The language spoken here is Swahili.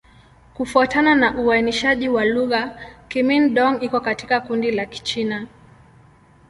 Kufuatana na uainishaji wa lugha, Kimin-Dong iko katika kundi la Kichina.